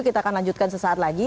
kita akan lanjutkan sesaat lagi